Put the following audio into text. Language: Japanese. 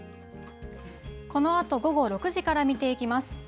このあと午後６時から見ていきます。